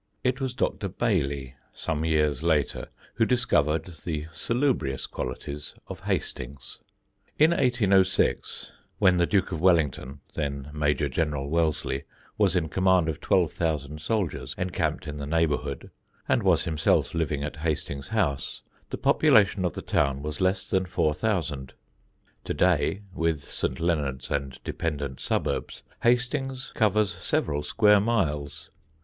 It was Dr. Baillie, some years later, who discovered the salubrious qualities of Hastings. In 1806, when the Duke of Wellington (then Major General Wellesley) was in command of twelve thousand soldiers encamped in the neighbourhood, and was himself living at Hastings House, the population of the town was less than four thousand; to day, with St. Leonard's and dependant suburbs, Hastings covers several square miles.